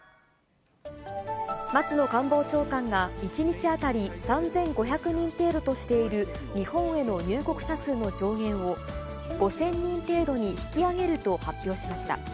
松野官房長官が、１日当たり３５００人程度としている日本への入国者数の上限を、５０００人程度に引き上げると発表しました。